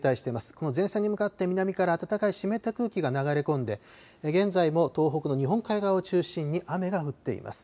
この前線に向かって南から暖かい湿った空気が流れ込んで現在も東北の日本海側を中心に雨が降っています。